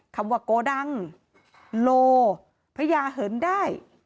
คำว่าโกดังโลพญาเหินได้